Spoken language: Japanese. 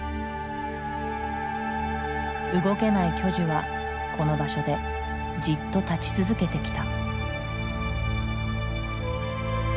動けない巨樹はこの場所でじっと立ち続けてきた。